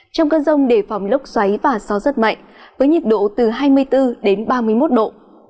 trong cơn rông đề phòng lốc xoáy và gió rất mạnh với nhiệt độ từ hai mươi bốn đến ba mươi một độ